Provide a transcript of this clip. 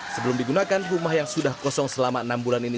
sebelum digunakan rumah yang sudah kosong selama enam bulan ini